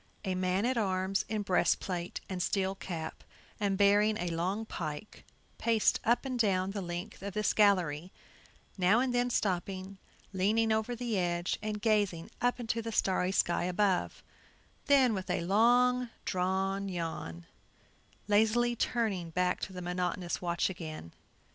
A man at arms in breast plate and steel cap, and bearing a long pike, paced up and down the length of this gallery, now and then stopping, leaning over the edge, and gazing up into the starry sky above; then, with a long drawn yawn, lazily turning back to the monotonous watch again.